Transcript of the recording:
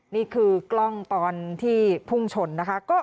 นี่คือกล้องตอนที่พุ่งชนนะคะ